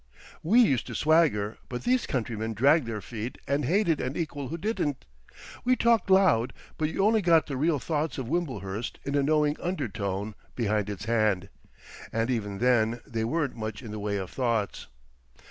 We used to swagger, but these countrymen dragged their feet and hated an equal who didn't; we talked loud, but you only got the real thoughts of Wimblehurst in a knowing undertone behind its hand. And even then they weren't much in the way of thoughts.